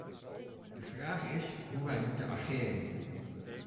De vraag is hoe wij moeten ageren.